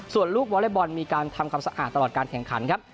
ส่วนลูกวอเล็กบอลมีการทำความสะอาดตลอดการแข่งขันครับ